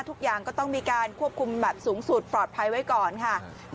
ทุกอย่างก็ต้องมีการควบคุมแบบสูงสุดปลอดภัยไว้ก่อนค่ะ